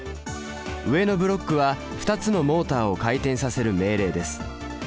上のブロックは２つのモータを回転させる命令です。